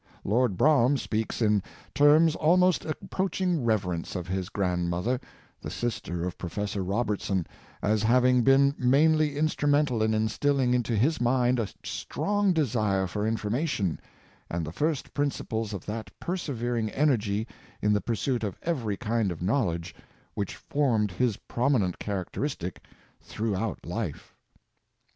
Lord Brougham speaks in terms almost approaching rever ence of his grandmother, the sister of Professor Robert son, as having been mainly instrumental in instilling in to his mind a strong desire for information, and the first principles of that persevering energy in the pursuit of every kind of knowledge which formed his prominent characteristic throughout life.